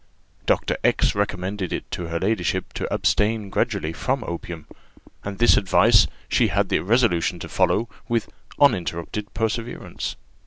Dr. X recommended it to her ladyship to abstain gradually from opium, and this advice she had the resolution to follow with uninterrupted perseverance.